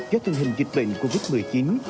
do tình hình dịch bệnh covid một mươi chín